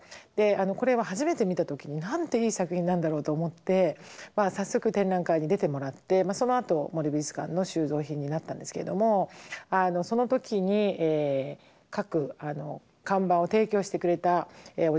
これは初めて見た時になんていい作品なんだろうと思って早速展覧会に出てもらってそのあと森美術館の収蔵品になったんですけれどもその時に各看板を提供してくれたおじさん